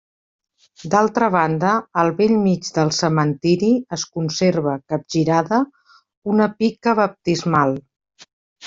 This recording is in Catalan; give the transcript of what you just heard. D'altra banda, al bell mig del cementiri es conserva, capgirada, una pica baptismal.